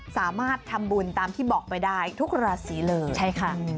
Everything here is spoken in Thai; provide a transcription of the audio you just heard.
สามารถทำบุญตามที่บอกไปได้ทุกรัสสีเลย